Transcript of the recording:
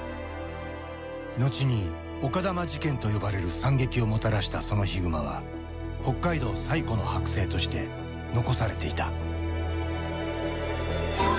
後に丘珠事件と呼ばれる惨劇をもたらしたそのヒグマは北海道最古の剥製として残されていた。